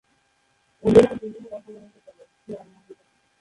অভিধান বিভিন্ন রকমের হতে পারে।